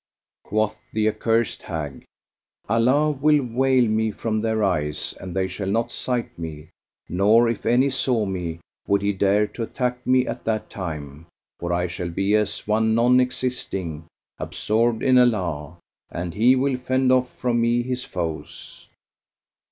Quoth the accursed hag, "Allah will veil me from their eyes and they shall not sight me;[FN#432] nor, if any saw me, would he dare to attack me at that time, for I shall be as one non existing, absorbed in Allah, and He will fend off from me His foes."